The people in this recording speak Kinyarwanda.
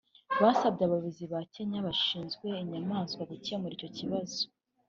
basabye abayobozi ba Kenya bashinzwe inyamaswa gukemura icyo kibazo